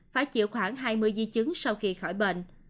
phải chịu khoảng hai mươi di chứng sau khi khỏi bệnh